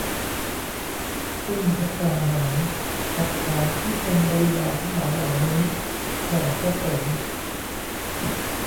ซึ่งภัตตาหาร กับของที่เป็นบริวารทั้งหลายเหล่านี้ แด่พระสงฆ์